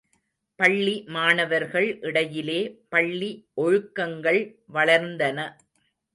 பள்ளி மாணவர்கள் இடையிலே பள்ளி ஒழுக்கங்கள் வளர்ந்தன.